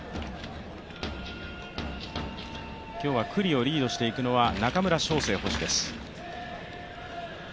今日は九里をリードしていくのは中村奨成捕手です。